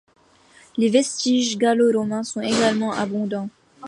Les vestiges gallo-romains sont également abondants.